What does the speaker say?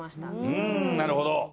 うーんなるほど。